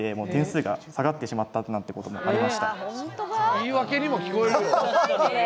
言い訳にも聞こえるよ。